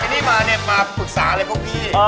นี่มาเนี่ยมาปรึกษาอะไรพวกพี่